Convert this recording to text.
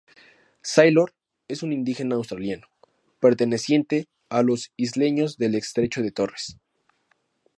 Sailor es un indígena australiano, perteneciente a los Isleños del estrecho de Torres.